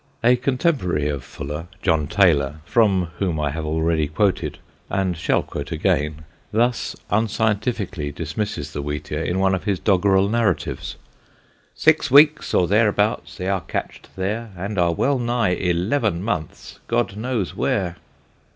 A contemporary of Fuller, John Taylor, from whom I have already quoted, and shall quote again, thus unscientifically dismisses the wheatear in one of his doggerel narratives: Six weeks or thereabouts they are catch'd there, And are well nigh 11 months God knows where.